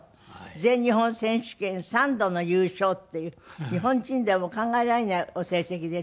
全日本選手権３度の優勝っていう日本人では考えられないお成績ですよね。